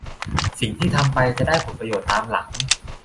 สิ่งที่ทำไปจะได้ผลประโยชน์ตามหลัง